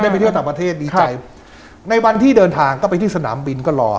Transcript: ไปเที่ยวต่างประเทศดีใจในวันที่เดินทางก็ไปที่สนามบินก็รอ